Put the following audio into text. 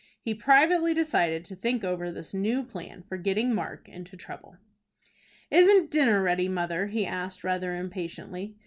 He privately decided to think over this new plan for getting Mark into trouble. "Isn't dinner ready, mother?" he asked, rather impatiently.